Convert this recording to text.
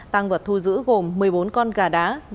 tăng vật thu giữ gồm một mươi bốn con gà đá